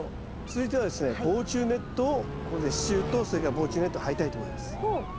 続いてはですね防虫ネットをここで支柱とそれから防虫ネットを張りたいと思います。